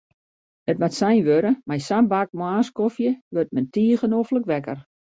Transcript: It moat sein wurde, mei sa'n bak moarnskofje wurdt men tige noflik wekker.